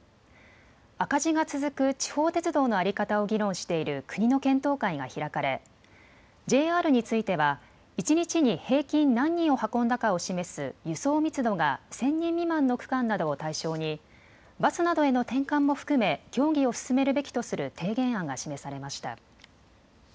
赤字が続く地方鉄道の在り方を議論している国の検討会が開かれＪＲについては一日に平均何人を運んだかを示す輸送密度が１０００人未満の区間などを対象にバスなどへの転換も含め協議を進めるべきとする提言案が示されました。